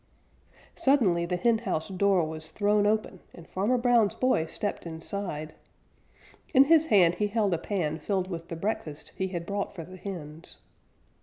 Suddenly the henhouse door was thrown open and Farmer Brown's boy stepped inside. In his hand he held a pan filled with the breakfast he had brought for the hens.